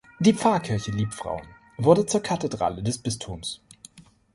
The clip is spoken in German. Die Pfarrkirche Liebfrauen wurde zur Kathedrale des Bistums.